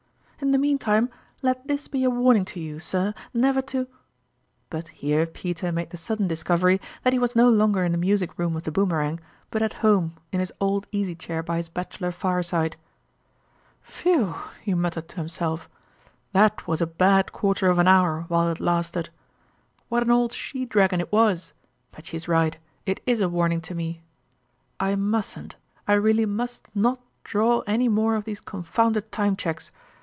In the mean time, let this be a warning to you, sir, never to "... But here Peter made the sudden discovery that he was no longer in the music room of the Boomerang, but at home in his old easy chair by his bachelor fireside. "Phew!" he muttered to himself, "that was a bad quarter of an hour while it lasted ! What an old she dragon it was! But she's right it is a warning to me. I mustn't I really must not draw any more of these con founded time cheques.